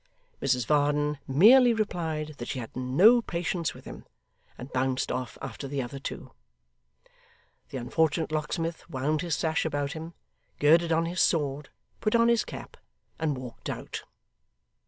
Mrs Varden merely replied that she had no patience with him, and bounced off after the other two. The unfortunate locksmith wound his sash about him, girded on his sword, put on his cap, and walked out.